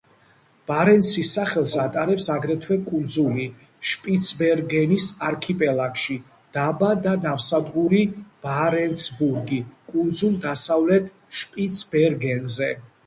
ბარენცის სახელს ატარებს აგრეთვე კუნძული შპიცბერგენის არქიპელაგში, დაბა და ნავსადგური ბარენცბურგი კუნძულ დასავლეთ შპიცბერგენზე.